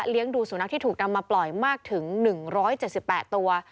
ดูสุนัขที่ถูกนำมาปล่อยมากถึง๑๗๘ตัว